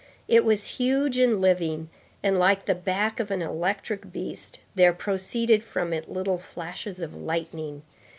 It was huge and living, and, like the back of an electric beast, there proceeded from it little flashes of lightning.